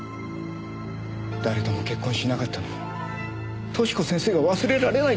誰とも結婚しなかったのも寿子先生が忘れられないからだ。